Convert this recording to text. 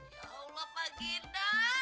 ya allah pak ginda